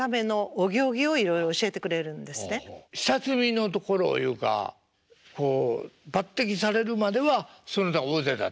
下積みのところいうかこう抜てきされるまではその他大勢だったんですか？